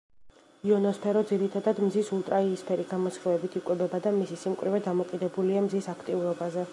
იონოსფერო ძირითადად მზის ულტრაიისფერი გამოსხივებით „იკვებება“ და მისი სიმკვრივე დამოკიდებულია მზის აქტიურობაზე.